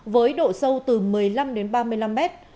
với độ sâu từ một mươi năm đến ba mươi năm mét